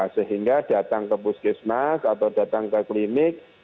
sehingga datang ke puskesmas atau datang ke klinik